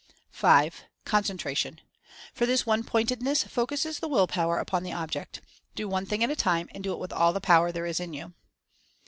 (5) Concentration; for this "one pointedness" focuses the Will Power upon the object. Do one thing at a time, and do it with all the power that there is in you.